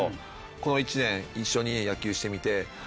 この１年一緒に野球してみて。